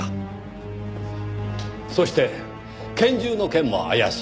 そして拳銃の件も怪しい。